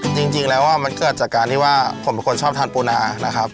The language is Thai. จริงแล้วมันเกิดจากการที่ว่าผมเป็นคนชอบทานปูนานะครับ